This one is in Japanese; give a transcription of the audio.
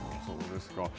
そうですね。